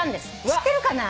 知ってるかな？